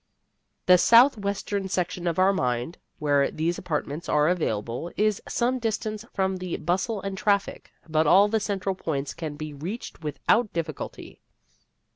The southwestern section of our mind, where these apartments are available, is some distance from the bustle and traffic, but all the central points can be reached without difficulty.